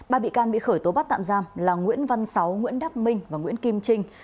ba bị can bị khởi tố bắt tạm giam là nguyễn văn sáu nguyễn đắc minh và nguyễn kim trinh